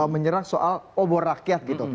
menyerang soal obor rakyat gitu